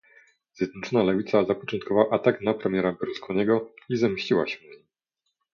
Zjednoczona Lewica zapoczątkowała atak na premiera Berlusconiego i zemściła się na nim